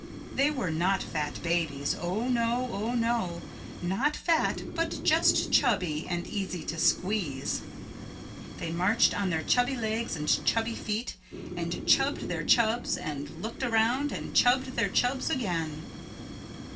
They were not fat babies oh no, oh no not fat but just chubby and easy to squeeze. They marched on their chubby legs and chubby feet and chubbed their chubbs and looked around and chubbed their chubbs again.